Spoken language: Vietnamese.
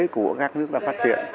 của các nước đang phát triển